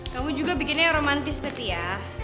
kamu juga bikin yang romantis tapi ya